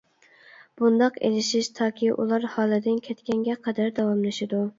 بۇنداق ئېلىشىش تاكى ئۇلار ھالىدىن كەتكەنگە قەدەر داۋاملىشىدۇ.